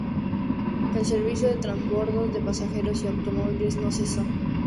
El servicio de transbordo de pasajeros y automóviles no cesó.